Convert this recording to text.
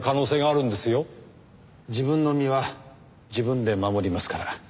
自分の身は自分で守りますから。